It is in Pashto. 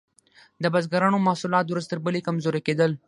د بزګرانو محصولات ورځ تر بلې کمزوري کیدل.